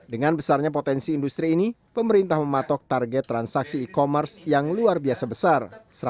dengan besarnya potensi industri ini pemerintah mematok target transaksi e commerce yang luar biasa besar